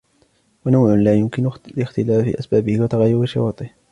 وَنَوْعٌ لَا يُمْكِنُ لِاخْتِلَافِ أَسْبَابِهِ وَتَغَايُرِ شُرُوطِهِ